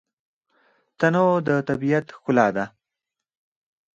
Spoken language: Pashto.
تنوع د طبیعت ښکلا ده.